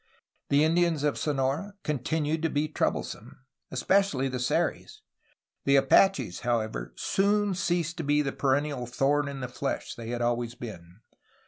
The Indians of Sonora continued to be troublesome, especially the Seris. The Apaches, however, soon ceased to be the perennial thorn in the flesh they had always been.